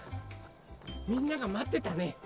みんながまってたね。